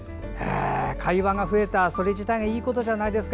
会話が増えた、それ自体いいことじゃないですか。